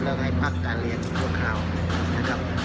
แล้วให้พักการเรียนพวกเขานะครับ